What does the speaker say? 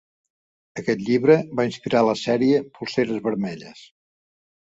Aquest llibre va inspirar la sèrie Polseres vermelles.